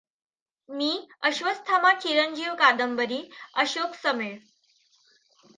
मी अश्वत्थामा चिरंजीव कादंबरी, अशोक समेळ